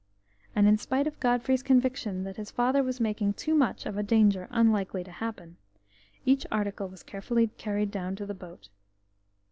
And in spite of Godfrey's conviction that his father was making too much of a danger unlikely to happen, each article was carefully carried down to the boat.